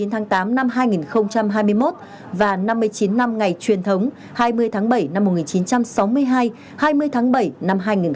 một mươi chín tháng tám năm hai nghìn hai mươi một và năm mươi chín năm ngày truyền thống hai mươi tháng bảy năm một nghìn chín trăm sáu mươi hai hai mươi tháng bảy năm hai nghìn hai mươi một lực lượng cảnh sát nhân dân đã lập nên